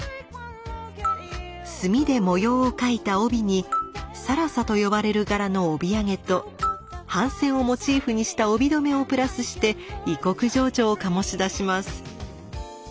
墨で模様を描いた帯に「更紗」と呼ばれる柄の帯揚げと帆船をモチーフにした帯留めをプラスして異国情緒を醸し出します。